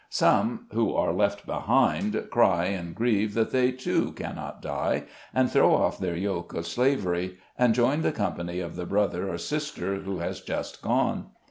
Some, who are left behind, cry and grieve that they, too, cannot die, and throw off their yoke of slavery, and join the company of the brother or sister who has just gone.